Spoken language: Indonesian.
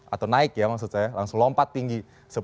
atau naik ya maksud saya langsung lompat tinggi